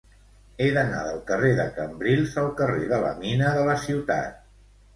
He d'anar del carrer de Cambrils al carrer de la Mina de la Ciutat.